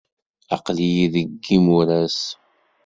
Aql-iyi deg yimuras.